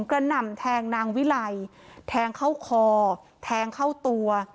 หน่ำแทงนางวิไลแทงเข้าคอแทงเข้าตัว